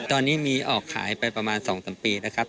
ตอนนี้มีออกขายไปประมาณ๒๓ปีนะครับ